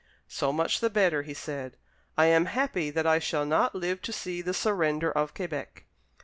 "So much the better," he said; "I am happy that I shall not live to see the surrender of Quebec."